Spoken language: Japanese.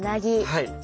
はい。